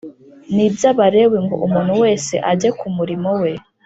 n iby Abalewi ngo umuntu wese ajye ku murimo we